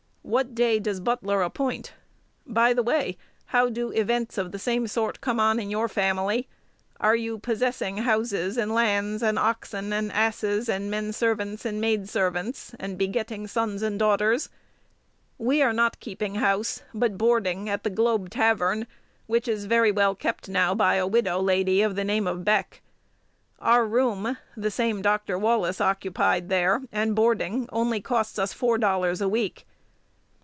What day does Butler appoint? By the way, how do "events" of the same sort come on in your family? Are you possessing houses and lands, and oxen and asses, and men servants and maid servants, and begetting sons and daughters? We are not keeping house, but boarding at the Globe Tavern, which is very well kept now by a widow lady of the name of Beck. Our room (the same Dr. Wallace occupied there) and boarding only costs us four dollars a week.